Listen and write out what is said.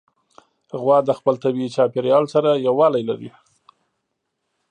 غوا د خپل طبیعي چاپېریال سره یووالی لري.